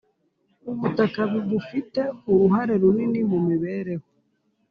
Ubutaka bufite uruhare runini mu mibereho